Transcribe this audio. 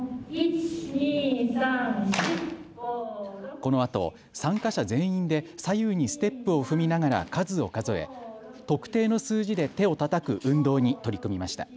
このあと参加者全員で左右にステップを踏みながら数を数え特定の数字で手をたたく運動に取り組みました。